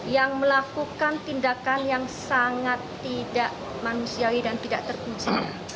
yang melakukan tindakan yang sangat tidak manusiawi dan tidak terkunci